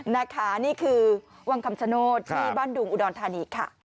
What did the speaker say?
นะคะนี่คือวังคำชโนธที่บ้านดุงอุดรธานีค่ะ